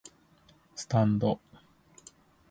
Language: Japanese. スタンド